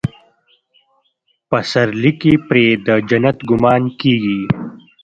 پسرلي کې پرې د جنت ګمان کېږي.